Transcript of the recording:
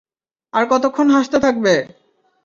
আর কতক্ষণ হাসতে থাকবে?